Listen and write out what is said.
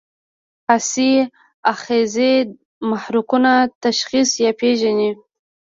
حسي آخذې محرکونه تشخیص یا پېژني.